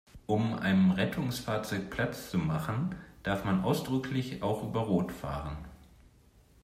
Um einem Rettungsfahrzeug Platz zu machen, darf man ausdrücklich auch über Rot fahren.